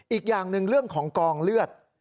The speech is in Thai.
อีกอย่างหนึ่งเรื่องของกองเลือด